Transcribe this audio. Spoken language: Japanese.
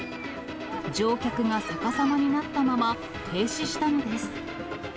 乗客が逆さまになったまま停止したのです。